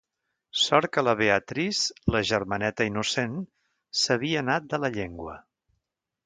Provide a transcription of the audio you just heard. Sort que la Beatrice, la germaneta innocent, s'havia anat de la llengua!